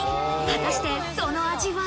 果たして、その味は。